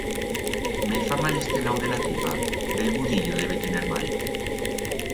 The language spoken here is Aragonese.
Me fa mal este lau de la tripa, bel budillo debe tener mal.